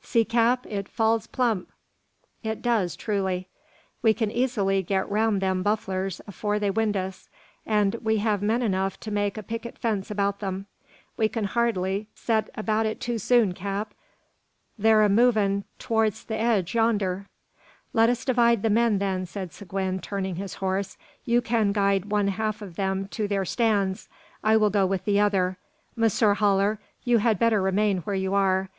"See, cap, it falls plump!" "It does, truly." "We kin easily git roun' them bufflers afore they wind us; an' we hev men enough to make a picket fence about them. We can hardly set about it too soon, cap. Thur a movin' torst the edge yander." "Let us divide the men, then," said Seguin, turning his horse; "you can guide one half of them to their stands. I will go with the other. Monsieur Haller, you had better remain where you are.